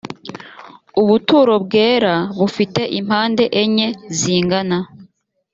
ubuturo bwera bufite impande enye zingana,